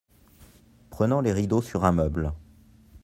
Prenant les rideaux sur un meuble.